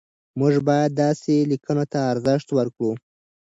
موږ باید داسې لیکنو ته ارزښت ورکړو.